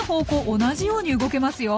同じように動けますよ。